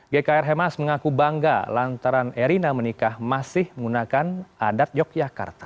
gkr hemas mengaku bangga lantaran erina menikah masih menggunakan adat yogyakarta